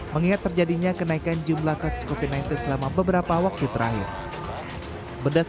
mengingat terjadinya kenaikan jumlah kasus